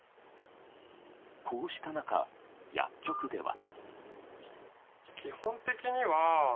こうした中、薬局では。